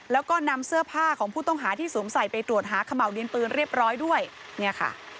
แล้วก็นำเสื้อผ้าของผู้ต้องหาที่สวมใส่ไปตรวจหาขม่าวดินปืนเรียบร้อยด้วยเนี่ยค่ะ